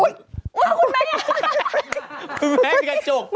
โอ้ยคุณแม่อยาก